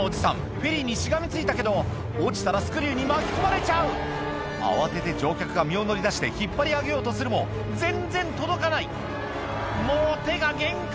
フェリーにしがみついたけど落ちたらスクリューに巻き込まれちゃう慌てて乗客が身を乗り出して引っ張り上げようとするも全然届かない「もう手が限界！